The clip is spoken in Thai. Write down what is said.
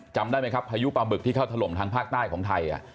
จำได้ไหมครับพายุปลาบึกที่เข้าถล่มทางภาคใต้ของไทย